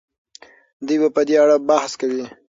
دوی په دې اړه بحث کوي.